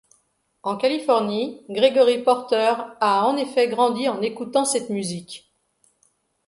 En Californie, Gregory Porter a en effet grandi en écoutant cette musique.